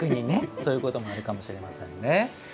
そういうこともあるかもしれませんね。